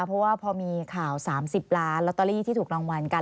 เพราะว่าพอมีข่าว๓๐ล้านลอตเตอรี่ที่ถูกรางวัลกัน